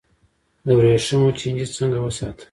د وریښمو چینجی څنګه وساتم؟